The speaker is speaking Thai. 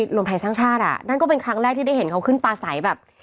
รวมไทยสร้างชาติอ่ะนั่นก็เป็นครั้งแรกที่ได้เห็นเขาขึ้นปลาใสแบบ